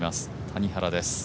谷原です。